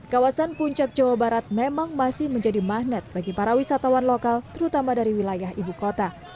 kawasan puncak jawa barat memang masih menjadi magnet bagi para wisatawan lokal terutama dari wilayah ibu kota